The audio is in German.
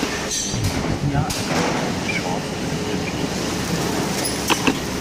Im nächsten Jahr ergab sich eine Chance bei den Filmstudios in Rom.